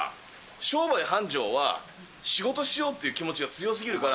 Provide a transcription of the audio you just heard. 商売繁盛は仕事しようっていう気持ちが強すぎるから。